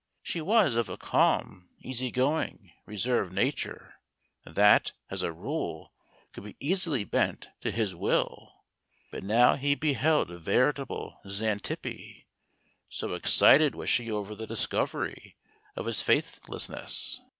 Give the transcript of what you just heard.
She was of a calm, easy going, reserved nature that, as a rule, could be easily bent to his will; but now he beheld a veritable Xantippe, so ex¬ cited was she over the discovery of his faithlessness.